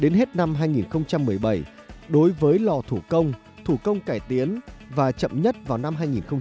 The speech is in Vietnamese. năm hai nghìn một mươi bảy đối với lò thủ công thủ công cải tiến và chậm nhất vào năm hai nghìn hai mươi